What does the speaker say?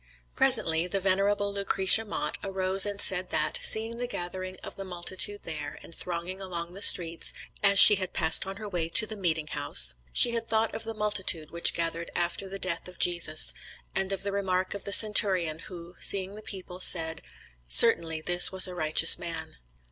Presently the venerable Lucretia Mott arose and said that, seeing the gathering of the multitude there and thronging along the streets, as she had passed on her way to the meeting house, she had thought of the multitude which gathered after the death of Jesus, and of the remark of the Centurion, who, seeing the people, said: "Certainly this was a righteous man."